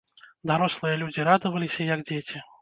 Дарослыя людзі радаваліся, як дзеці.